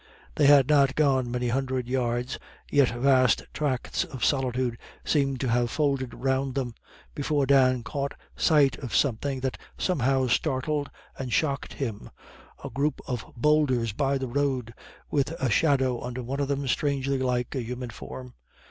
They had not gone many hundred yards, yet vast tracts of solitude seemed to have folded round them, before Dan caught sight of something that somehow startled and shocked him a group of boulders by the road, with a shadow under one of them strangely like a human form.